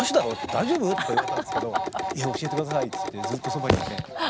大丈夫？」とか言われたんですけど教えて下さいって言ってずっとそばにいて。